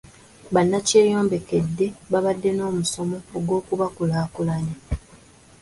Bannakyeyombekedde baabadde n'omusomo gw'okubakulaakulanya.